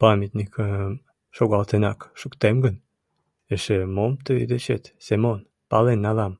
Памятникым шогалтенак шуктем гын, эше мом тый дечет, Семон, пален налам?